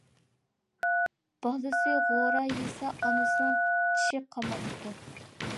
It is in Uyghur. بالىسى غورا يېسە، ئانىسىنىڭ چىشى قاماپتۇ.